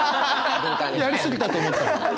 やり過ぎたと思ったもん。